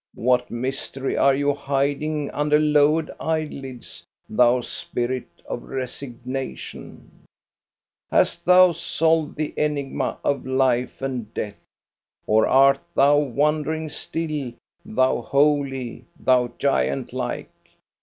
What mystery are you hiding under lowered eyelids, thou spirit of resignation ? Hast thou solved the enigma of life and death, or art thou wondering still, thou holy, thou giant like.'